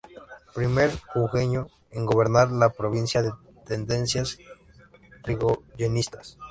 Primer jujeño en gobernar la provincia, de tendencia yrigoyenista.